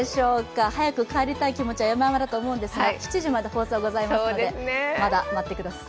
早く帰りたい気持ちは山々だと思うんですが７時まで放送はございますのでまだ待ってください。